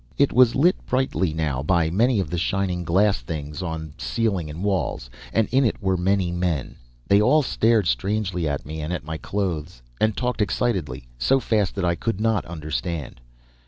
"It was lit brightly now by many of the shining glass things on ceiling and walls, and in it were many men. They all stared strangely at me and at my clothes, and talked excitedly so fast that I could not understand.